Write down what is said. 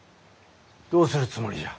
どうするつもりじゃ？